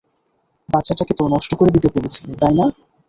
বাচ্চাটাকে তো নষ্ট করে দিতে বলেছিলে, তাই না?